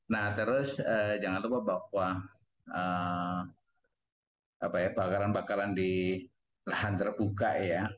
nah terus jangan lupa bahwa bakaran bakaran di lahan terbuka ya